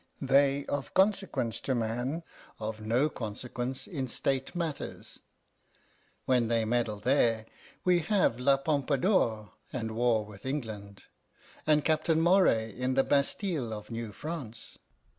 They of consequence to man, of no consequence in state matters. When they meddle there, we have La Pompadour and war with England, and Captain Moray in the Bastile of New France."